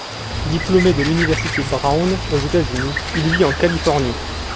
Diplômé de l'Université Brown, aux États-Unis, il vit en Californie.